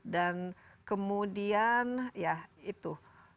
dan kemudian ya itu